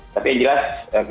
tapi yang jelas